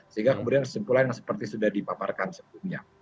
sehingga kemudian kesimpulan yang seperti sudah dipaparkan sebelumnya